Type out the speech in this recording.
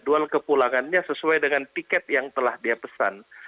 jual kepulangannya sesuai dengan tiket yang telah dia pesan